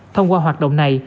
thông qua hoạt động này